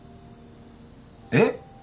えっ？